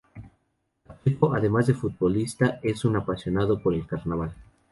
Pacheco además de futbolista es un apasionado por el carnaval.